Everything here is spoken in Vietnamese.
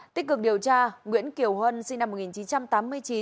tích cực điều tra nguyễn kiều huân sinh năm một nghìn chín trăm tám mươi chín